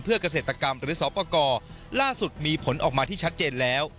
เพื่อเกษตรกรรมหรือสอบประกอบล่าสุดมีผลออกมาที่ชัดเจนแล้ว